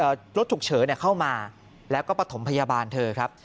รถฉุกเฉินเข้ามาแล้วก็ประถมพยาบาลเธอครับ